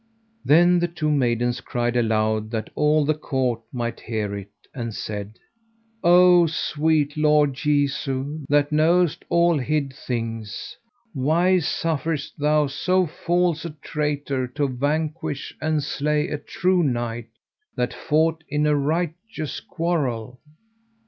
Then the two maidens cried aloud that all the court might hear it, and said: O sweet Lord Jesu, that knowest all hid things, why sufferest Thou so false a traitor to vanquish and slay a true knight that fought in a righteous quarrel?